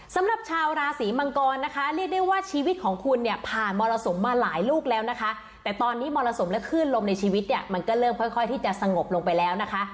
สำหรับชาวราศีมังกรนะคะเรียกได้ว่าชีวิตของคุณเนี่ยผ่านมรสุมมาหลายลูกแล้วนะคะแต่ตอนนี้มรสุมและคลื่นลมในชีวิตเนี่ยมันก็เริ่มค่อยที่จะสงบลงไปแล้วนะคะ